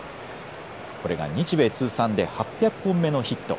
これが日米通算で８００本目のヒット。